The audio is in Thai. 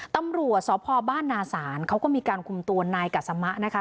ตำรวจสพบ้านนาศาลเขาก็มีการคุมตัวนายกัสมะนะคะ